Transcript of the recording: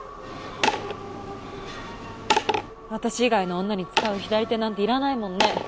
私以外の女に使う左手なんていらないもんね